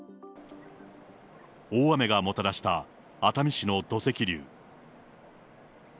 大雨がもたらした熱海市の土石流。